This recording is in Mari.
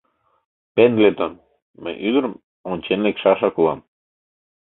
Пендлетон, мый ӱдырым ончен лекшашак улам.